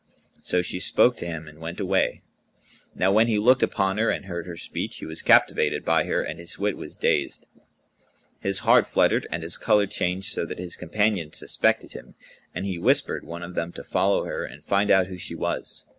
So she spoke to him and went away. Now when he looked upon her and heard her speech, he was captivated by her and his wit was dazed; his heart fluttered, and his colour changed so that his companions suspected him, and he whispered one of them to follow her and find out who she was.